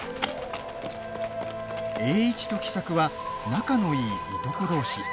栄一と喜作は仲のいい、いとこどうし。